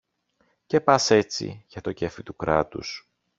Και πας έτσι, για το κέφι του Κράτους